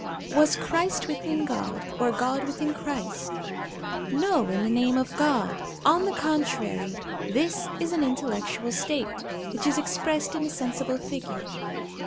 Was Christ within God, or God within Christ? No, in the name of God! On the contrary, this is an intellectual state, which is expressed in a sensible figure.